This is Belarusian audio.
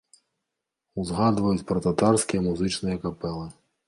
Узгадваюць пра татарскія музычныя капэлы.